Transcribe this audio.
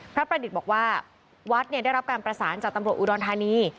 พระประดิษฐ์บอกว่าวัดได้รับการประสานจากตำรวจอุดรธานี